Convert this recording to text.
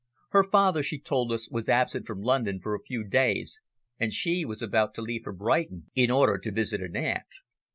Her father, she told us, was absent from London for a few days, and she was about to leave for Brighton in order to visit an aunt.